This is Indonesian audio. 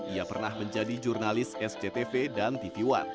ia pernah menjadi jurnalis sctv dan tv one